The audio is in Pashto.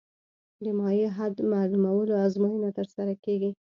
د مایع حد معلومولو ازموینه ترسره کیږي